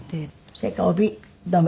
それから帯留め？